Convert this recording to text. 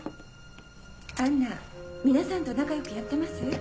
・杏奈皆さんと仲良くやってます？